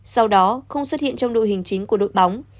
sau đó không xuất hiện trong đội hình chính của đội bóng